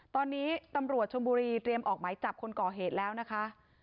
ตอนนี้ตำรวจชมบุรีเตรียมออกหมายจับคนก่อเหตุแล้วนะคะ